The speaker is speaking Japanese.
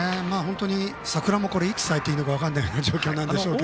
桜もいつ咲いているか分からない状態ですが。